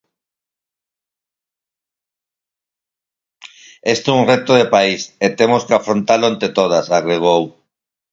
"Este é un reto de país e temos que afrontalo entre todas", agregou.